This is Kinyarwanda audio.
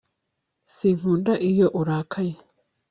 Sinkunda iyo urakaye